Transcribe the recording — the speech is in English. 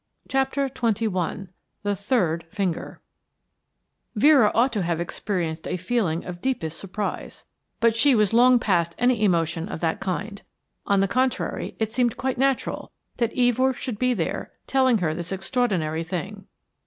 CHAPTER XXI THE THIRD FINGER Vera ought to have experienced a feeling of deepest surprise; but she was long post any emotion of that kind. On the contrary, it seemed quite natural that Evors should be there telling her this extraordinary thing.